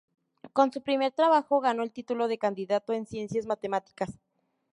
Con su primer trabajo, ganó el título de candidato en ciencias matemáticas.